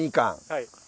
はい。